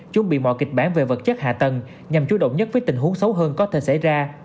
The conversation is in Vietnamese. chuẩn bị mọi kịch bản về vật chất hạ tầng nhằm chú động nhất với tình huống xấu hơn có thể xảy ra